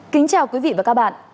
kính chào quý vị và các bạn